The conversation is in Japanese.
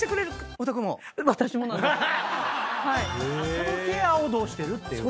そのケアをどうしてる？って。